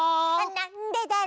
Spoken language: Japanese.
「なんでだろう」